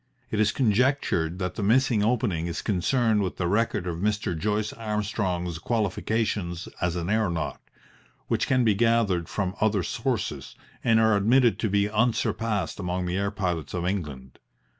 It is conjectured that the missing opening is concerned with the record of Mr. Joyce Armstrong's qualifications as an aeronaut, which can be gathered from other sources and are admitted to be unsurpassed among the air pilots of England.